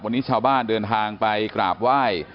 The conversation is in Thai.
วันนี้ชาวบ้านเดินทางไปกราบไหว้